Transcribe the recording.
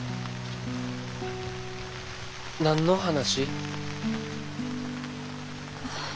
何の話？